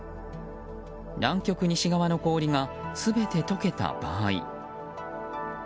南極西側の氷が全て解けた場合